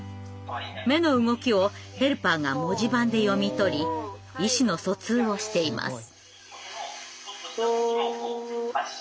目の動きをヘルパーが文字盤で読み取り意思の疎通をしています。